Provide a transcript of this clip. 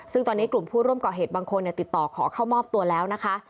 ซึ่งตอนนี้กลุ่มผู้ร่วมก่อเหตุบางคนติดต่อขอเข้ามอบตัวแล้วนะคะ